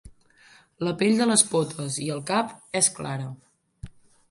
La pell de les potes i el cap és clara.